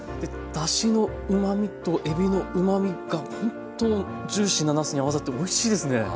だしのうまみとえびのうまみがほんとジューシーななすに合わさっておいしいですね。